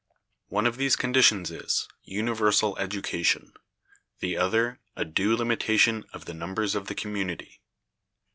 One of these conditions is, universal education; the other, a due limitation of the numbers of the community.